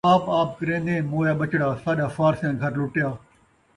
آب آب کرین٘دیں مویا ٻچڑا، ساݙا فارسیاں گھر لُٹیا